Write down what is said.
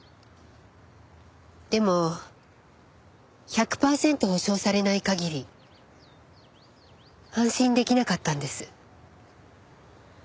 でも１００パーセント保証されない限り安心出来なかったんです。